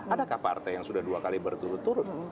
adakah partai yang sudah dua kali berturut turut